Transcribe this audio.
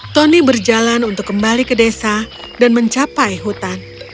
tony berjalan untuk kembali ke desa dan mencapai hutan